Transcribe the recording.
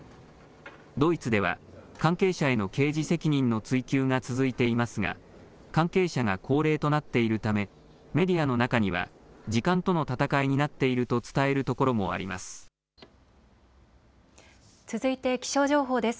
ドイツでは関係者への刑事責任の追及が続いていますが関係者が高齢となっているためメディアの中には時間との闘いになっていると伝えるところもあります。